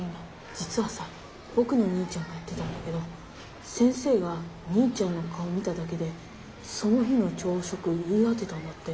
じつはさぼくのお兄ちゃんが言ってたんだけど先生がお兄ちゃんの顔を見ただけでその日の朝食を言い当てたんだって。